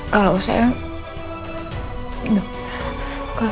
kalau saya nggak mau